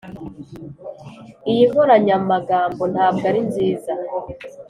iyi nkoranyamagambo ntabwo ari nziza.